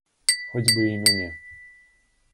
Хоць бы і мяне.